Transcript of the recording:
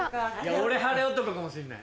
俺晴れ男かもしんない。